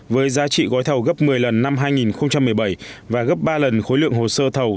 với giá trị gói thầu gấp một mươi lần năm hai nghìn một mươi bảy và gấp ba lần khối lượng hồ sơ thầu